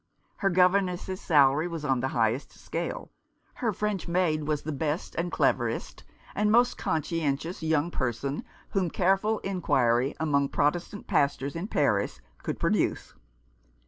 Her governess's salary was on the highest scale ; her French maid was the best and cleverest, and most conscientious young person, whom careful inquiry among Protestant pastors in Paris could produce.